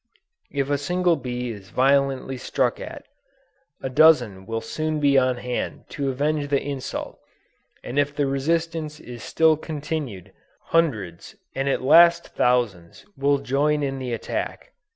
If a single bee is violently struck at, a dozen will soon be on hand to avenge the insult, and if the resistance is still continued, hundreds and at last thousands will join in the attack.